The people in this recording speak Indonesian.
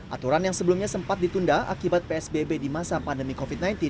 aturan yang sebelumnya sempat ditunda akibat psbb di masa pandemi covid sembilan belas